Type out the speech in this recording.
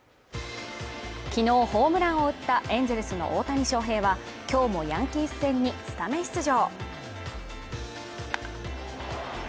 昨日ホームランを打ったエンゼルスの大谷翔平は今日もヤンキース戦にスタメン出場。